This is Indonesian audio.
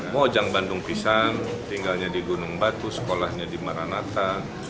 mojang bandung pisang tinggalnya di gunung batu sekolahnya di meranata